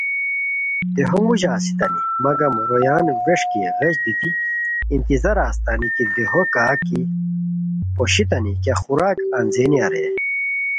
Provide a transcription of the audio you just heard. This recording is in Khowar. دیہو موژاہ استانی مگم رویان ووسکی غیچ دیتی انتظارہ استانی کی دیہو کا کی پوشتانی کیہ خوراکہ انځینیہ رے